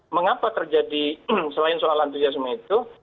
mengapa terjadi selain soal antusiasme itu